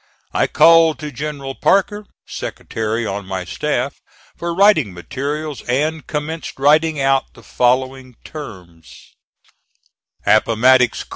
I called to General Parker, secretary on my staff, for writing materials, and commenced writing out the following terms: APPOMATTOX C.